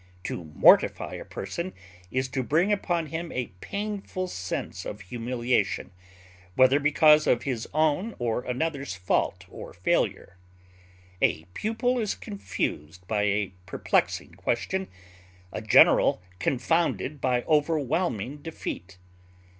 To mortify a person is to bring upon him a painful sense of humiliation, whether because of his own or another's fault or failure. A pupil is confused by a perplexing question, a general confounded by overwhelming defeat.